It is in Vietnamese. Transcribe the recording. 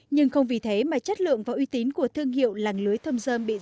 nhưng không vì thế mà chất lượng và uy tín của thương hiệu làng lưới thơm dơm bị giảm